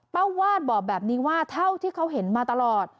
วาดบอกแบบนี้ว่าเท่าที่เขาเห็นมาตลอด